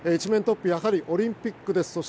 １面トップはやはりオリンピックです。